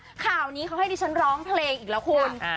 ข่าวนี้เขาให้ดิฉันร้องเพลงอีกแล้วคุณ